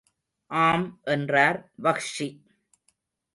ஆம் என்றார் வஹ்ஷி.